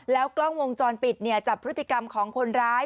กล้องวงจรปิดจับพฤติกรรมของคนร้าย